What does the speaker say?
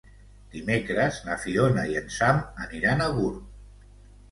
Dimecres na Fiona i en Sam aniran a Gurb.